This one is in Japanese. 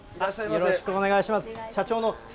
よろしくお願いします。